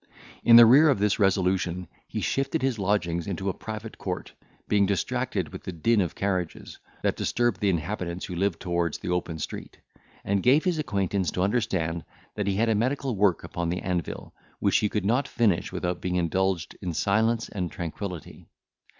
In the rear of this resolution, he shifted his lodgings into a private court, being distracted with the din of carriages, that disturb the inhabitants who live towards the open street; and gave his acquaintance to understand, that he had a medical work upon the anvil, which he could not finish without being indulged in silence and tranquillity.